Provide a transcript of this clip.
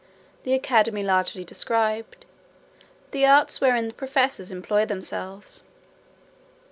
The academy largely described. The arts wherein the professors employ themselves.